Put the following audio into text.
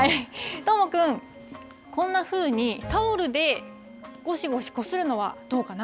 どーもくん、こんなふうにタオルでごしごしこするのはどうかな？